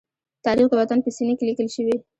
تاریخ د وطن په سینې کې لیکل شوی.